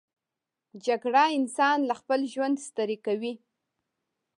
جګړه انسان له خپل ژوند ستړی کوي